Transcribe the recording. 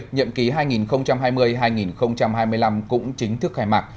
nhậm ký hai nghìn hai mươi hai nghìn hai mươi năm cũng chính thức khai mạc